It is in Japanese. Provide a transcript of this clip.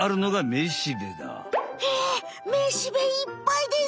めしべいっぱいです！